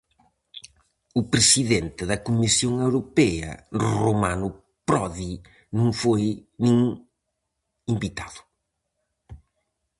O presidente da Comisión Europea, Romano Prodi, non foi nin invitado.